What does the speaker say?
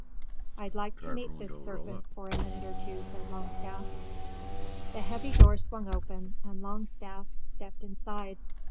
"I'd like to meet this serpent for a minute or two," said Longstaff. The heavy door swung open and Longstaff stepped inside.